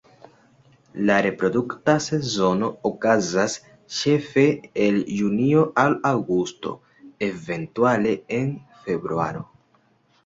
La reprodukta sezono okazas ĉefe el junio al aŭgusto, eventuale en februaro.